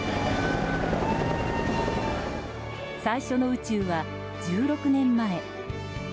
最初の宇宙は１６年前。